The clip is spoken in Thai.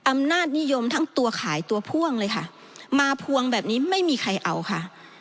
อำนาจนิยมทั้งตัวขายตัวพ่วงเลยค่ะมาพวงแบบนี้ไม่มีใครเอาค่ะ